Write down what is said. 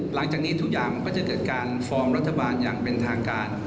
หลังจากนี้ทุกอย่างก็จะเกิดการฟอร์มรัฐบาลอย่างเป็นทางการ